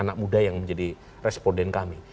anak muda yang menjadi responden kami